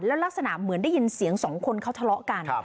ลักษณะเหมือนได้ยินเสียงสองคนเขาทะเลาะกัน